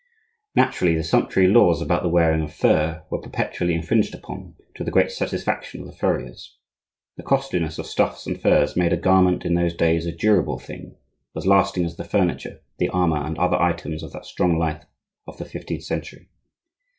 Naturally the sumptuary laws about the wearing of fur were perpetually infringed upon, to the great satisfaction of the furriers. The costliness of stuffs and furs made a garment in those days a durable thing,—as lasting as the furniture, the armor, and other items of that strong life of the fifteenth century.